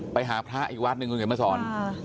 ไปหาพระอีกวัดหนึ่งเห็นไหมสอน